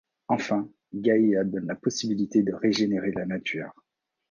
Enfin, Gaïa donne la possibilité de régénérer la nature.